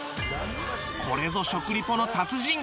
これぞ食リポの達人！